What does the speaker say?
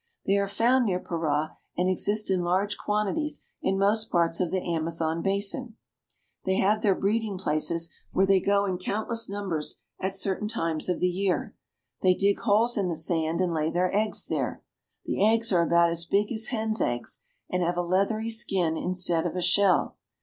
They are found near Para, and exist in large quantities in most parts of the " See, it is alive!" Amazon basin. They have their breeding places, where they go in countless numbers at certain times of the year. They dig holes in the sand and lay their eggs there. The eggs are about as big as hens' eggs, and have a leathery skin instead of a shell.